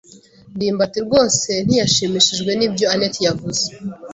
ndimbati rwose ntiyashimishijwe nibyo anet yavuze.